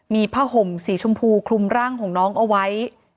มีผ้าห่มสีชมพูคลุมร่างของน้องเอาไว้